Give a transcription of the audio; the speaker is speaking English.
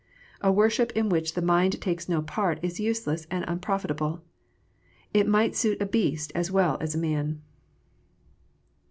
A worship in which the mind takes no part is useless and unprofitable. It might suit a beast as well as a man.